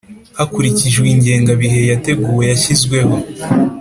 hakurikijwe ingengabihe yateguwe yashyizweho .